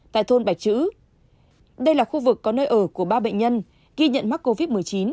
tại thôn bạch chữ đây là khu vực có nơi ở của ba bệnh nhân ghi nhận mắc covid một mươi chín